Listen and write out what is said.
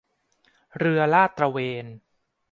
เรือลาดตระเวน